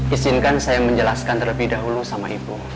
izinkan saya menjelaskan terlebih dahulu sama ibu